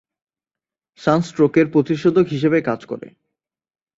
সান স্ট্রোকের প্রতিষেধক হিসেবে কাজ করে।